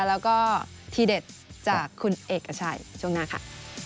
แล้วก็ทีเด็ดจากคุณเอกชัยช่วงหน้าค่ะ